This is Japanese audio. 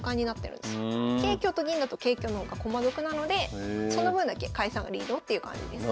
桂香と銀だと桂香の方が駒得なのでその分だけ甲斐さんがリードっていう感じです。